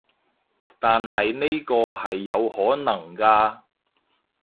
但係呢個係有可能㗎